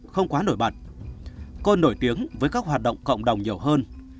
không quá nổi bật con nổi tiếng với các hoạt động cộng đồng nhiều hơn